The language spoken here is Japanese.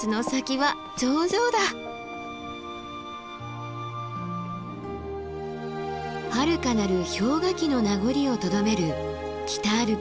はるかなる氷河期の名残をとどめる北アルプス黒部五郎岳です。